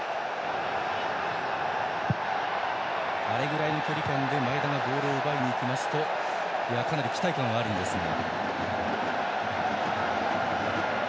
あれぐらいの距離感で前田がボールを奪いにいくとかなり期待感はあるんですが。